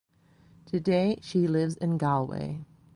Today she lives in Galway.